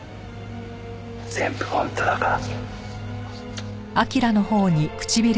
全部本当だから。